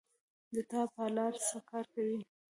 د تا پلار څه کار کوی